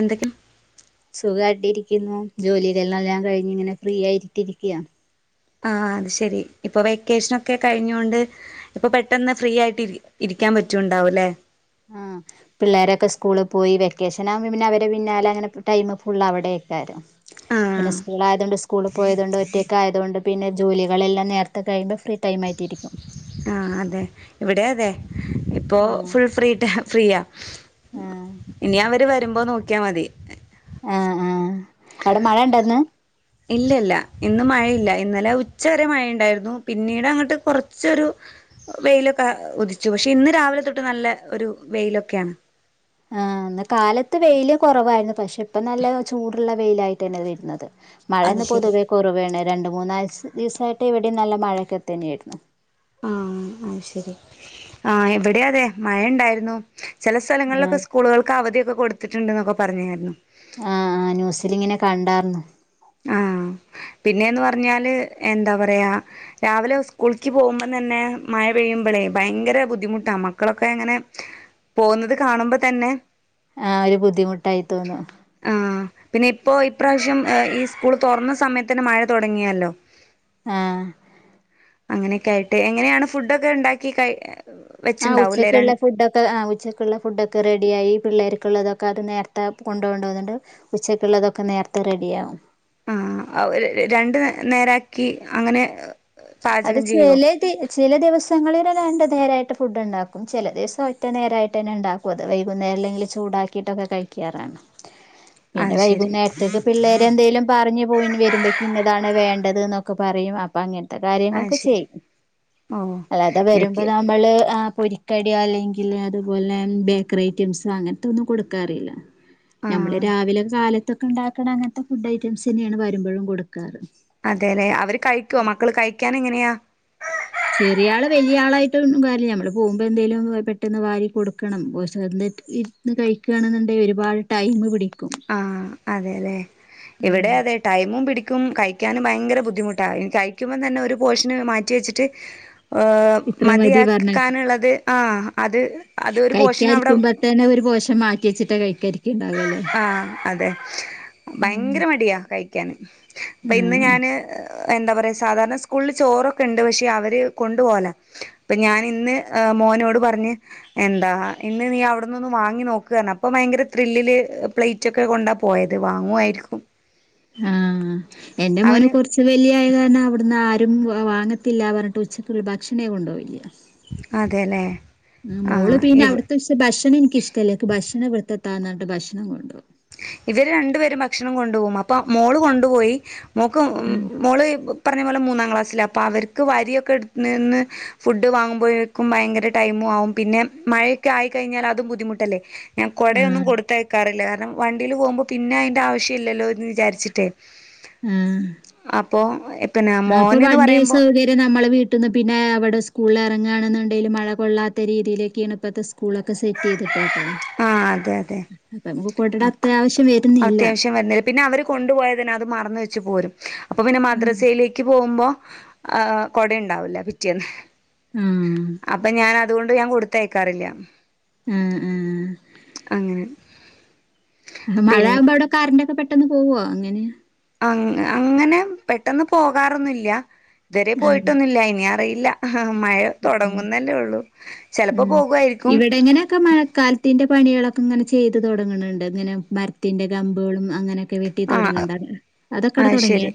എന്തൊക്കെ സുഖായിട്ടിരിക്കുന്നു ജോലിയിലെല്ലാം എല്ലാം കഴിഞ്ഞ് ഇങ്ങനെ ഫ്രീ ആയിട്ടിരിക്ക്യാ ആഹ അത് ശരി ഇപ്പൊ വെക്കേഷനൊക്കെ കഴിഞ്ഞൊണ്ട് ഇപ്പൊ പെട്ടെന്ന് ഫ്രീ ആയിട്ട് ഇര് ഇരിയ്ക്കാൻ പറ്റുണ്ടാവു ലേ? ആഹ് പിള്ളേരൊക്കെ സ്കൂള്പ്പോയി. വെക്കേഷനാകുമ്പൊ പിന്നവരെ പിന്നാലങ്ങനെ ടൈമ് ഫുള്ള് അവടെയ്ക്കാരം. പിന്നെ സ്കൂളായതൊണ്ട് സ് സ്കൂളിൽ പോയത്കൊണ്ട്, ഒറ്റയക്കായതുകൊണ്ട് പിന്നെ ജോലികളെല്ലാം നേരത്തെ കഴിയുമ്പൊ ഫ്രീടൈമായിട്ടിരിക്കും. ആഹ് അതെ, ഇവിടേ അതെ. ഇപ്പോ ഫുൾ ഫ്രീട്ടേ ഫ്രീയാ. ഇനി അവര് വരുമ്പൊ നോക്കിയാ മതി. ആഹ് ആഹ്. അവ്ടെ മഴണ്ടൊ ഇന്ന്? ഇല്ലല്ല, ഇന്ന് മഴയില്ല. ഇന്നലെ ഉച്ച വരെ മഴ ഇണ്ടായ്ര്ന്നു, പിന്നീട്ങ്ങട്ട് കൊർച്ചൊരു വെയിലൊക്കെ ഉദിച്ചു പക്ഷെ, ഇന്ന് രാവിലെ തൊട്ട് നല്ല ഒരു വെയിലൊക്കെയാണ്. ആഹ് ഇന്ന് കാലത്ത് വെയില് കൊറവായിരുന്നു പക്ഷെ, ഇപ്പ നല്ല ചൂടുള്ള വെയിലായിട്ടെന്നെ വെര്ന്നത്. മഴ ഇന്ന് പൊതുവെ കൊറവേണ്. രണ്ട് മൂന്നാൽസ് ദിവസായിട്ട് ഇവിടിം നല്ല മഴയൊക്കെത്തന്നേയ്ര്ന്നു. ആഹ് അത് ശെരി. ആഹ് ഇവിടി അതേ, മഴ ഇണ്ടായ്ര്ന്നു. ചെല സ്ഥലങ്ങളിലൊക്കെ സ്കൂ സ്കൂളുകൾക്ക് അവധിയൊക്കെ കൊടുത്തിട്ടുണ്ട്ന്നൊക്കെ പറഞ്ഞായിര്ന്നു. ആഹ് ന്യൂസിലിങ്ങനെ കണ്ടാര്ന്നു. ആഹ്. പിന്നേന്ന് പർഞ്ഞാല് എന്താ പറയാ രാവിലെ സ്കൂൾയ്ക്ക് പോകുമ്പം തന്നെ മയ പെയ്യുമ്പളേ ഭയങ്കര ബുദ്ധിമുട്ടാ, മക്കളൊക്കെ ഇങ്ങനെ പോവുന്നത് കാണുമ്പ തന്നെ ആഹ് ഒരു ബുദ്ധിമുട്ടായിത്തോന്നും. ആഹ്, പിന്നെ ഇപ്പോ ഇപ്രാവശ്യം ഏ ഈ സ്കൂള് തൊർന്ന സമയത്തെന്നെ മയ തൊട്ങ്ങിയല്ലൊ. ആഹ് അങ്ങനെയൊക്കെ ആയിട്ട്. എങ്ങനെയാണ് ഫുഡ്ഡൊക്കെ ഇണ്ടാക്കി കഴ് ഏ ആഹ് ഉച്ചക്ക്ള്ളെ ഫുഡ്ഡൊക്‌ ക്ക് ആഹ് ഉച്ചക്ക്ള്ളെ ഫുഡ്ഡൊക്കെ റെഡിയായി. പിള്ളേർക്കുള്ളതൊക്കെ അത് നേര്ത്തേ കൊണ്ടോവ്ണ്ടതോണ്ട് ഉച്ചക്ക്ള്ളതൊക്കെ നേര്ത്തെ റെഡിയാവും. ആഹ് അത് ഒര് ര് രണ്ട് നേരാക്കി അങ്ങനെ അത് ചേലേത് ചില ദിവസങ്ങളില് രണ്ട് നേരായിട്ട് ഫുഡ്ഡ്ണ്ടാക്കും. ചെല ദിവസം ഒറ്റ നേരായിട്ടെന്നെ ഇണ്ടാക് ക്കു അത് വൈകുന്നേ അല്ലെങ്കില് ചൂടാക്കിയിട്ടൊക്കെ കഴിയ്ക്കാറാണ്. [inaudible] പിന്നെ വൈകുന്നേര്ത്തേക്ക് പിള്ളേരെന്തേലും പറഞ്ഞ്പോയി ഇനി വരുമ്പഴേക്കിന്നതാണ് വേണ്ടത് ന്നൊക്കെ പറയും അപ്പങ്ങനെ ത്തെ കാര്യങ്ങളൊക്കെ ചെയ്യും. അല്ലാതെ വെരുമ്പൊ നമ്മള് ആഹ് പൊരി ക്കട്യോ അല്ലെങ്കില് അതുപോൽന്നെ ബേക്കറി ഐറ്റംസ് അങ്ങൻത്തെ ഒന്നും കൊടുക്കാറില്ല. ഞമ്മള് രാവിലൊര് കാലത്തൊക്കെണ്ടാക്ക്ണെ അങ്ങൻത്തെ ഫുഡ്ഡൈറ്റംസെന്നേണ് വരുമ്പഴും കൊടുക്ക. അതേലേ. അവര് കഴിക്കോ, മക്കള് കഴിയ്ക്കാനെങ്ങനെയാ? ചെറിയാള് വലിയാളായിട്ടൊന്നും കാര്യല്ല്യ നമ്മള് പോവുമ്പൊ എന്തേലും പെട്ടെന്ന് വാരി കൊടുക്കണം [unintelligible] ഇര്ന്ന് കഴിക്കാണ്ന്ന്ണ്ടെ ഒരുപാട് ടൈമ് പിടിക്കും. ആഹ് അതേലേ. ഇവിടേ അതെ. ടൈമും പിടിക്കും കഴിക്കാനും ഭയങ്കര ബുദ്ധിമുട്ടാ. കഴിക്കുമ്പം തന്നെ ഒരു പോഷന് മാറ്റി വെച്ചിട്ട് ഏഹ് മതിയാക്കാന്ള്ളത് ആഹ് അത് കയിയ്ക്കാ ഇരിക്കുമ്പത്തന്നെ ഒരു പോഷൻ മാറ്റിവെച്ചിട്ടാ കഴിയ്ക്കാ ഇര്യ്ക്ക് ണ്ടാവലേ? ആഹ് അതെ. ഭയങ്കര മടിയാ കഴിയ്ക്കാന്. അപ്പൊ ഇന്ന് ഞാന് എന്താ പറയാ സാധാരണ സ്കൂളില് ചോറൊക്കെ ഇണ്ട് പക്ഷെ, അവര് കൊണ്ടുപോവലാ. അപ്പ ഞാനിന്ന് ഏ മോനോട് പറഞ്ഞ് എന്താ ഇന്ന് നീ അവിടുന്നൊന്ന് വാങ്ങി നോക്ക് പറഞ് അപ്പൊ ഭയങ്കര ത്രില്ലില് പ്ലേറ്റ് ഒക്കെ കൊണ്ടാ പോയത് വാങ്ങുവായിരിക്കും ആഹ് എന്റെ മോനുപ്പൊരു കുറച്ച് വലിയ ആയ കാരണം അവിടുന്ന് ആരും വാങ്ങത്തില്ല പറഞ്ഞിട്ട് ഉച്ചക്കുള്ള ഭക്ഷണേ കൊണ്ടുപോവില്യ ഉം മോള് പിന്നെ അവിടത്തെ ക്ക് ഭക്ഷണം എനിക്കിഷ്ടല്ല എനിക്ക് ഭക്ഷണ ഇവടുത്തെ താ എന്നറിഞ്ഞിട്ട് ഭക്ഷണം കൊണ്ടോ ഇവര് രണ്ടുപേരും ഭക്ഷണം കൊണ്ടോവും അപ്പൊ മോള് കൊണ്ടുപോയി മോക്ക് മോള് പറഞ്ഞപോലെ മൂന്നാം ക്ലാസ്സിലാ അപ്പോഅവര്ക്ക് വരിയൊക്കെ എടുത്ത് നിന്ന് ഫുഡ് വാങ്ങുമ്പോഴ് ക്കും ഭയങ്കര ടൈമും ആവും പിന്നെ മഴയൊക്കെ ആയിക്കഴിഞ്ഞാൽ അതും ബുദ്ധിമുട്ടല്ലേ ഞാൻ കൊടയൊന്നും കൊടുത്തയക്കാറില്ല കാരണം വണ്ടീല് പോകുമ്പോ പിന്നെ അയിന്റെ ആവശ്യം ഇല്ലല്ലോന്ന് വിചാരിച്ചിട്ടേ അപ്പൊ പിന്നെ മോന്ന്ന് പറയുമ്പോ നമ്മള വീട്ടിന്ന് പിന്നെ അവിടെ സ്കൂളില് എറങ്ങാണെന്നുണ്ടെലു മഴ കൊള്ളാത്ത രീതിയിലക്കെയാണ് ഇപ്പോഴത്തെ സ് കൂളൊക്കെ സെറ്റ് ചെയ്തിട്ടേക്കെ അപ്പ നമക്ക് കൊടേടത്യാവശ്യം വരുന്നില്ല പിന്നെ അവര് കൊണ്ടുപോയതിനെ അത് മറന്നു വെച്ചു പോരും അപ്പൊ പിന്നെ മദ്രസയിലേക്ക് പോമ്പോ ഏഹ് കൊടണ്ടാവൂലാ പിറ്റേന്ന് അപ്പൊ ഞാന അതുകൊണ്ട് ഞാൻ കൊടുത്തയക്കാറില്ല ആഹ് അ അങ്ങനെ മഴയാകുമ്പോ അവിടെ കറൻ്റൊക്കെ പെട്ടന്ന് പോവുവോ അങ്ങനെയാ അങ്ങ അങ്ങനെ പെട്ടെന്ന് പോകാറൊന്നുല്ല ഇതുവരെ പോയിട്ടൊന്നുല്ല ഇനിയറിയില്ല ആഹ് മഴ തൊടങ്ങുന്നല്ലേ ഉള്ളു ചെലപ്പോ പോകുവായിരിക്കും എങ്ങനെയൊക്കെ മഴക്കാല ത്തിന്റെ പണിയളൊക്കെ ഇങ്ങനെ ചെയ്ത് തൊടങ്ങണണ്ട് ഇങ്ങനെ മരത്തിന്റെ കമ്പുകളും അങ്ങനെ ക്കെ വെട്ടി തൊടങ്ങ്ണ്ടാ അയ്ശരി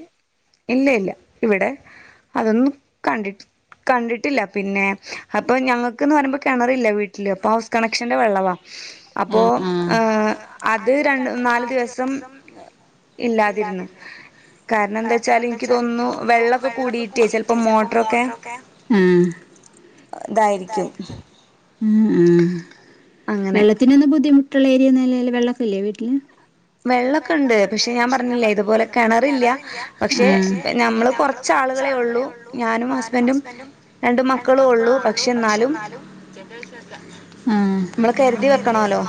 ഇല്ലില്ല ഇവിടെ അതൊന്നും കണ്ടിട്ട് കണ്ടിട്ടില്ല പിന്നെ അപ്പൊ ഞങ്ങൾക്ക്ന്ന്റയുമ്പോ കെണറില്ല വീട്ടില് അപ്പൊ ഹൗസ് കണക്ഷന്റെ വെള്ളവാ അപ്പോ ഏഹ് അത് രണ്ട് നാല്ദിവസം ഇല്ലാതിര്ന്ന് കാരണം എന്താച്ചാല് ഇൻക്ക് തോന്നുന്നു വെള്ളക്കെ കൂടിയിറ്റേ ചെലപ്പോ മോട്ടറൊക്കെ ഇതായിരിക്കും ഉംഹ് വെള്ളത്തിനൊന്നും ബുദ്ധിമുട്ടുള്ള ഏരിയൊന്നല്ലല്ലോ വെള്ളക്കല്ലേ വീട്ടില് വെള്ളക്കെ ഇണ്ട് പക്ഷെ ഞാൻ പറഞ്ഞില്ലേ ഇതുപോലെ കെണറില്ല ആഹ് പക്ഷെ നമ്മള് കൊറച്ചാളുകളെ ഉള്ളൂ ഞാനും ഹസ്ബൻ്റും രണ്ടുമക്കളും ഉള്ളു പക്ഷെ എന്നാലും [unintelligible] ആഹ് മ്മള് കരുതി വെക്കണോലോ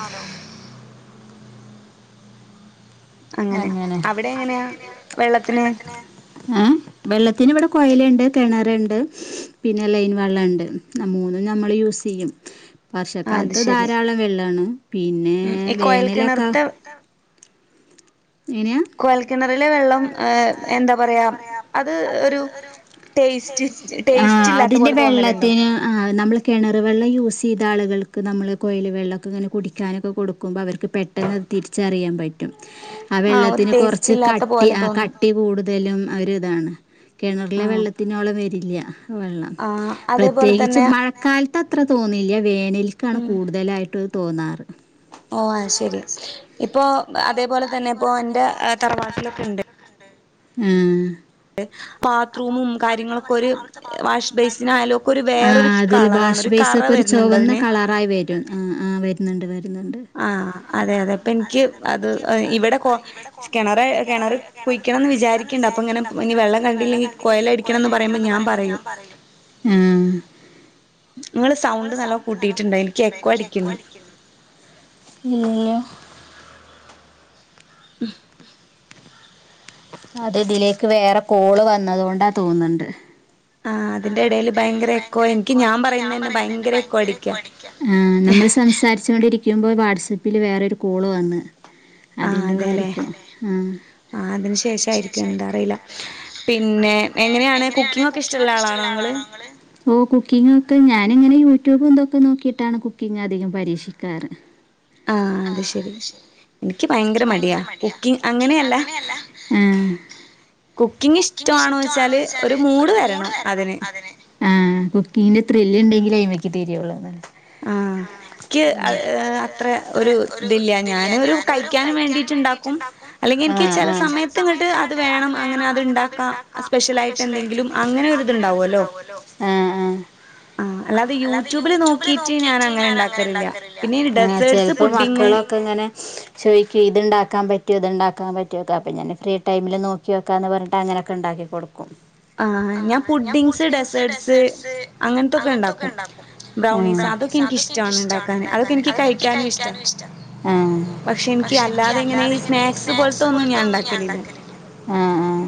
അങ്ങനെ അവിടെങ്ങനെയാ വെള്ളത്തിന് ഏ വെള്ളത്തിന് ഇവിടെ കോയല്ണ്ട് കെണറ്ണ്ട് പിന്നെ ലൈൻ വെള്ളണ്ട് മൂന്നും നമ്മള് യൂസയ്യും വർഷക്കാലത്ത് ധാരാളം വെള്ളാണ് പിന്നെ വേനലൊക്കെ എങ്ങനയാ കൊയൽക്കിണറിലെ വെള്ളം എന്താ പറയാ അത് ഒരു ടേസ്റ്റ് ആഹ് അതിന്റെ വെള്ളത്തിന് ആഹ് നമ്മള് കെണറ് വെള്ളം യൂസ്യ്താളുകൾക്ക് നമ്മള് കൊയല് വെള്ളക്കെങ്ങനെ കുടിക്കാനൊക്കെ കൊടുക്കുമ്പോ അവർ ക്ക് പെട്ടെന്നത് തിരിച്ചറിയാൻ പറ്റും ആ വെള്ളത്തിന് കുറച്ച് കട്ടി ആ കട്ടി കൂടുതലും ഒരിതാണ് കെണറിലെ വെള്ളത്തിനോളം വരില്ല വെള്ളം പ്രത്യേകിച്ച് മഴ കാൽത്തത്ര തോന്നില്ല വേനൽക്കാണ് കൂടുതലായിട്ട് തോന്നാറ് ഓ അയ്ശെരി ഇപ്പോ അതേപോലെതന്നെ ഇപ്പോ എൻ്റെ തറവാട്ടിലൊക്കെണ്ട് ആഹ് [unintelligible] ബാത്റൂമും കാര്യങ്ങളൊക്കെരു വാഷ് ബേസിനയാലും ഒക്കെ ഒരു വേറൊരു കളറാണ് ഒരു കറ വെര ചൊവന്ന കളറായി വെരും ആ ആ വരുന്നുണ്ട് വരുന്നുണ്ട് ആ അതെ അതെ അപ്പനിക്ക് അത് ഇവിടെ കൊ കെണറ കെണറ് കുയി ക്കണന്ന് വിചാരിക്കണ്ട് അപ്പോങ്ങന ഇനി വെള്ളം കണ്ടില്ലെങ്കി കൊയലടിക്കണന്ന പറയുമ്പോ ഞാൻ പറയും ആഹ് നിങ്ങള് സൗണ്ട് നല്ലോ കൂട്ടിട്ടുണ്ടോ എനിക്ക് എക്കോ അടിക്കണ്ട് ഇല്ല്യല്ലോ ഹും. അത് ഇതിലേക്ക് വേറെ കോള് വന്നത് കൊണ്ടാ തോന്ന്ണ്ട്. ആഹ് അതിന്റെ എടേൽ ഭയങ്കര എക്കോ എനിക്ക് ഞാൻ പറയുന്നേന്നെ ഭയങ്കര എക്കോ അടിക്ക ആഹ് നമ്മള് സംസാരിച്ചോണ്ടിരിക്കുമ്പോ വാട്സപ്പില് വേറൊരു കോള് വന്ന്. അതിന്റോ കാര്യത്തെന്നെ ആഹ് ആഹ് അതിന് ശേഷായിരിക്കും എന്താ അറിയ്ല്ല പിന്നെ എങ്ങനെയാണ് കുക്കിംഗൊക്കെ ഇഷ്ടള്ള ആളാണോ? ഓ കുക്കിംഗൊക്കെ ഞാനിങ്ങന യൂട്യൂബൂ ഇതൊക്കെ നോക്കിട്ടാണ് കുക്കിംഗ് അധികം പടിച്ചു ക്കാറ് ആഹ് അത് ശെരി ഇനിക്ക് ഭയങ്കര മടിയാ കുക്കിങ് അങ്ങനയല്ല കുക്കിങ് ഇഷ്ടാണോ വെച്ചാല് ഒര് മൂട് വെരണം അതിന് ആ കുക്കിങ്ങിൻ്റെ ത്രില്ല്ണ്ടെങ്കിലേ അയിമയ്ക്ക് തിരിയോള്ളൂന്ന് ആഹ്. ക്ക് അത്ര ഒരു ഇതില്യ ഞാനൊരു കഴികാനുംവേണ്ടീട്ടുണ്ടാക്കും അല്ലെങ്കീനിക്ക് ചെല സമയത്ത് ഇങ്ങട്ട് അത് വേണം അങ്ങനെ അത് ഇണ്ടാക്കാം സ്പെഷ്യലായിട്ട് എന്തെങ്കിലും അങ്ങനൊര്ത്ണ്ടാവല്ലോ ആഹ് അല്ലാതെ യൂട്യൂബില് നോക്കി ആഹ് ചെലപ്പോ മക്കളൊക്കെങ്ങനെ ചോദിക്ക് ഇതുണ്ടാക്കാൻ പറ്റോ ഇത്ണ്ടാക്കാൻ പറ്റുവോ അപ്പൊ ഞാൻ ഫ്രീ ടൈമിലും നോക്കി വെ ക്കാമെന്നു പറഞ്ഞു ട്ടങ്ങനൊക്കെണ്ടാക്കി കൊടുക്കും. ആഹ് ഞാൻ പുഡ്ഡിങ്സ് ഡെസേർട്സ് അങ്ങൻത്തൊക്കെണ്ടാക്കും. ഏഹ് ബ്രൗണീസ് അതൊക്കെ എ നി ക്കിഷ്ടാണ് ഉണ്ടാക്കാൻ അതൊക്കെ എനിങ്ക് കഴിക്കാനും ഇഷ്ടാണ് ഏഹ് പക്ഷെ എനിങ്ക് അല്ലാതെഇങ്ങനെ സ്നാക്ക്സ് പോലത്തെ ഒന്നും ഞാനുണ്ടക്കാറില്ല ആഹ് ആഹ്.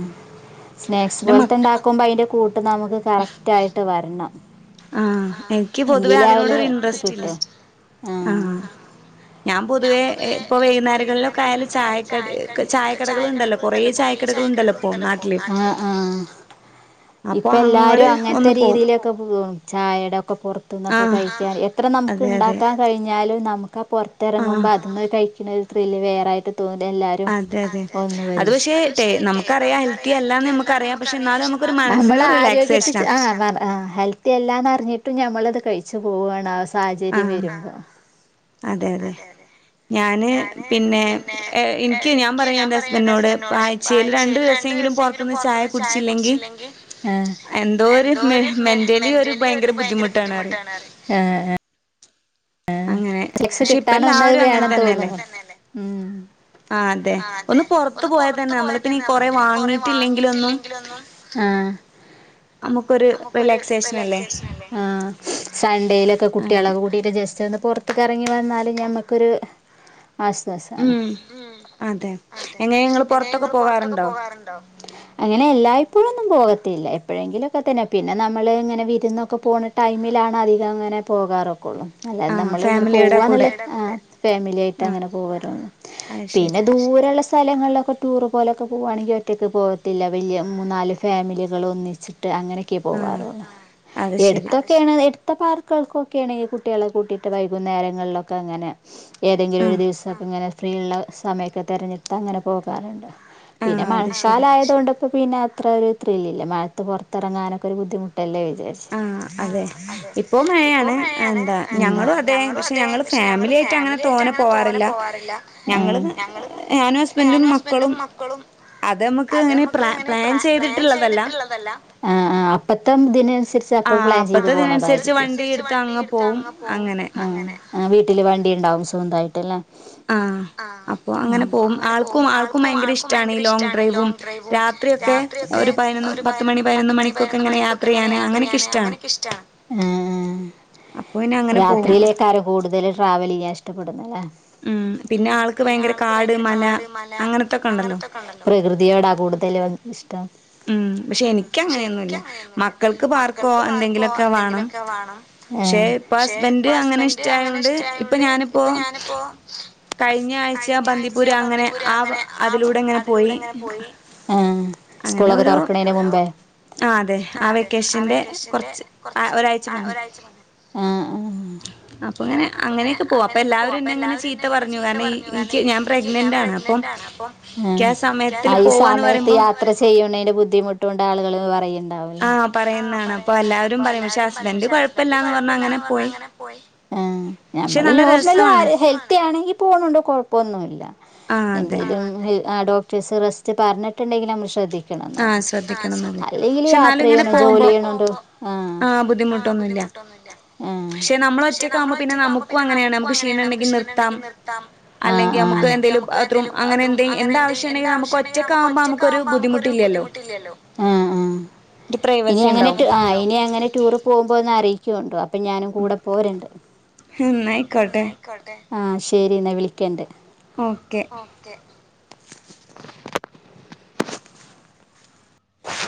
സ്നാക്സ് പോല്ത്തെണ്ടാക്കുമ്പോ അയിന്റെ കൂട്ട് നമുക്ക് കറക്റ്റായിട്ട് വര്ണം. എങ്കിലേ ആവല് ഇത് കിട്ടു ആഹ് ഞാൻ പൊതുവേ ഇപ്പൊ വൈകുന്നേരങ്ങളിലൊക്കെ ആയാലും ചായക്കട ചായക്കടകള്ണ്ടല്ലോ കൊറേ ചായക്കടകള്ണ്ടല്ലോ ഇപ്പോ ആഹ് ആഹ് ഇപ്പ എല്ലാരും അങ്ങൻത്തെ രീതീല് ചായേടൊക്കെ പൊറത്തുന്നൊക്കെ കഴിക്കാൻ എത്ര നമുക്ക്ണ്ടാക്കാൻ കഴിഞ്ഞാലും നമ് പൊറത്തെറങ്ങുമ്പോ അദ്ന്ന് കഴിക്ക്ണൊരു ത്രില്ല് വേറായിട്ട് തോന്നി എല്ലാരും [unintelligible] നമ്മൾ ആരോഗ്യത്തിച്ച് ആഹ് ഹെൽത്തിയല്ലാന്നറഞ്ഞിട്ടും ഞമ്മളത് കഴിച്ചു പോവാണാ സാഹചര്യം വെരുമ്പോ അതെ അതെ. ഞാന് പിന്നെ ഇന്ക്ക് ഞാൻ പറയും എന്റെ ഹസ്ബൻഡിനോട് ആഴ്ചയിൽ രണ്ടു ദിവസെങ്കിലും പൊറ ത്ത്ന്ന് ചായ കുട്ച്ചില്ലെങ്കി എന്തോ ഒര് മെന്റലി ഒര് ഭയങ്കര ബുദ്ധിമു ട്ടാണ് പറയും ട്ടാണ് പറയും ഏഹ് ഏഹ് ഏഹ് ചിക്സ് കിട്ടാനെന്ന് അയ് വേണം തോന്ന്ണ് ഉം ആഹ് അതെ ഒന്ന് പൊറത്ത് പോയ തന്നെ ഞമ്മളീ പിന്നേയ് കൊറേ വാങ്ങീട്ടില്ലങ്കിലൊന്നും ആഹ്. നമ്മുക്ക് ഒരു റിലാക്സേഷൻ അല്ലേ ആഹ് സൺഡേലൊക്കെ കുട്ട്യേളെകൂ ട്ടിട്ട് ജസ്റ്റൊന്ന് പൊറത്തൊക്കെറങ്ങി വന്നാല് ഞമ്മക്കൊര് ആശാസാണ് ഉം അതെ എങ്ങനെ ഇങ്ങൾ പുറത്തെക്കെ പോവാറുണ്ടോ അങ്ങനെ എല്ലായ്പ്പഴൊന്നും പോകത്തില്ല എപ്പോഴെങ്കിലൊക്കെത്തന്നെ പിന്നെ നമ്മള് ഇങ്ങനെ വിരുന്നൊക്കെ പോണ ടൈമിലാണ് അധികം അങ്ങനെ പോകാറൊക്കെള്ളൂ. അല്ലാതെ നമ്മള് ഇങ്ങനെ പോവ്വാന്ന്ള്ള ആ ഫാമിലി ആയിട്ട് അങ്ങനെ പോവലോള്ളു പിന്നെ ദൂരള്ള സ്ഥലങ്ങളിലൊക്കെ ടൂറ് പോലൊക്കെ പോകുകയാണെങ്കിൽ ഒറ്റയ്ക്ക് പോകത്തില്ല. വലിയ മൂന്ന നാല് ഫാമിലികൾ ഒന്നിച്ചിട്ട് അങ്ങനെ. ഒക്കെ പോവാറ് ഒള്ളൂ. എടുത്തൊക്കെയാണ് എടുത്ത പാർക്കൾക്കൊക്കെ ആണെങ്കിൽ കുട്ടികളെ കൂട്ടിയിട്ട് വൈകുന്നേരങ്ങളിലൊക്കെ ഇങ്ങനെ ഏതെങ്കിലും ഒരു ദിവസൊക്കെ ഇങ്ങനെ ഫ്രീ ഉള്ള സമയൊക്കെ തെരഞ്ഞെടുത്ത് അങ്ങനെ പോകാറുണ്ട്. പിന്നെ മഴക്കാല ആയതോണ്ട് അപ്പം പിന്നെ അത്ര ഒരു ത്രിലില്ല. മഴത്ത് പുറത്തിറങ്ങാനൊക്ക ഒരു ബുദ്ധിമുട്ടല്ലേ വിചാരിച്ചു. ആഹ് അതെ. ഇപ്പോ മഴയാണ്. എന്താ. ഞങ്ങളും അതെ പക്ഷേ ഞങ്ങള് ഫാമിലി ആയിട്ട് അങ്ങനെ തോന്നെ പോവാറില്ല ഞങ്ങള് ഞാനും ഹസ്ബൻന്റും മക്കളും അത് നമ്മുക്ക് അങ്ങനെ പ പ്ലാൻ ചെയ്തിട്ടുള്ളതല്ല ള്ളതല്ല. അപ്പത്തം ഇതിനനുസരി ചെൽപ്പോ പ്ലാൻ ചെയ്ത് പോണതായിരിക്കും. ആഹ് അതു അനുസരിച്ച് വണ്ടി എടുത്തങ്ങ് പോവുംഅങ്ങനെ ആഹ് വീട്ടില് വണ്ടി ഉണ്ടാവും സ്വന്തായിട്ട് ല്ലേ ആ അപ്പ അങ്ങനെ പോകും. ആൾക്കും ആൾക്കും ഭയങ്കര ഇഷ്ടമാണ്ഈ ലോ ഡ്രൈവും രാത്രിയൊക്കെ ഒരു പതിനൊന്ന് പത്ത് മണി പതിനൊന്ന് മണിക്കൊക്കെ ഇങ്ങനെ യാത്ര ചെയ്യാന് അങ്ങനെയൊക്കെ ഇഷ്ടമാണ്. ഏഹ് രാത്രിയിലേയ്ക്കാരം കൂടുതൽ ട്രാവൽ ചെയ്യാൻ ഇഷ്ടപ്പെടുന്നല്ലേ ഉ പിന്നെ ആൾക്ക് ഭയങ്കര കാട് മല അങ്ങനത്തൊക്കെ ഉണ്ടല്ല. പ്രകൃതിയോടാ കൂടുതൽ ഇഷ്ട്ടാ ഉം പക്ഷേ എനിക്ക് അങ്ങനെയൊന്നുല്ല. മക്കൾക്ക് പാർക്കോ എന്തെങ്കിലുമൊക്കെ വാണം വാണം. പക്ഷെ ഇപ്പൊ ഹസ്ബന്ഡ് അങ്ങനെ ഇഷ്ടായോണ്ട് ഇപ്പൊ ഞാനിപ്പോ കഴിഞ്ഞ ആഴ്ച ബന്ദിപൂര് അങ്ങനെ ആ അതിലൂടെ അങ്ങനെ പോയി. ആഹ്. സ്കൂളൊക്കെ തുറക്കണേന് മുമ്പേ ആ അതെ ആ വെക്കേഷന്റെ കുറച്ച് ആ ഒരാഴ്ച മുന്നേ. അപ്പൊ ഇങ്ങനെ അങ്ങനെയൊക്കെ പോവാ അപ്പൊ എല്ലാവരും അപ്പ എല്ലാവരും ഇന്നെ ഇങ്ങനെ ചീത്ത പറഞ്ഞു. കാരണം എനിക്ക് ഞാൻ പ്രഗ്നന്റ് ആണ് അപ്പം ഏഹ് ആ ഈ സമയത്ത് യാത്ര ചെയ്യുന്നതിന്റെ ബുദ്ധിമുട്ടുണ്ട് ആളുകൾ പറയുന്നു. ആഹ് പറയുന്നതാണ്. അപ്പൊ എല്ലാവരും പറയും പക്ഷെ ഹസ്ബൻഡ് കുഴപ്പമില്ലാന്ന് പറഞ്ഞ കുഴപ്പല്ലാന്ന് പറഞ്ഞങ്ങനെ പോയി. ആഹ് നമ്മള് ലോജല് ഹെൽത്തിയാണെങ്കി പോണോണ്ട് കൊഴപ്പൊന്നുല്ല എന്റെതും ഹവ് ആഹ ഡോ ട്രിസറിസ്റ്റ് പറഞ്ഞിട്ട്ണ്ടെങ്കില് അമ്മൾ ശ്രദ്ധി ക്കണന്നൊള്ള്. അല്ലെങ്കിലി യാത്ര ചെയണോം ജോലി ചെയ്യണണ്ടോ.. ആഹ്. ഉം പക്ഷെ നമ്മള് ഒറ്റക്കാവുമ്പോ പിന്നെ നമുക്കും അങ്ങനേണ് നമ്മുക്ക് ക്ഷീണണ്ടെങ്കിനിർത്താം. ആഹ ആഹ അല്ലെങ്കി നമക്ക് എന്തെലുംബാത്ത്റൂം അങ്ങനെന്തെ എന്താവശ്യണ്ടെങ്കിലും നമുക്ക് ഒറ്റക്കാവുമ്പോ നമുക്കൊരു ബുദ്ധിമുട്ടില്ലല്ലോ. ആഹ ആഹ ഇനി അങ്ങനെ ടൂ ആഹ ഇനി അങ്ങനെ ടൂറ് പോവുമ്പോന്ന് അറിയിക്കോണ്ടു അപ്പം ഞാനും കൂടെ പോരണ്ട്. ന്നായിക്കോട്ടെ ആഹ ശെരിന്നാ വിളിക്കേണ്ട് ഓക്കെ.